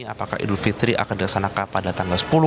apakah idul fitri akan dilaksanakan pada tanggal sepuluh